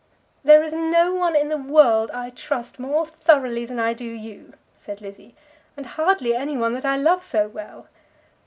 "There is no one in the world I trust more thoroughly than I do you," said Lizzie, "and hardly any one that I love so well.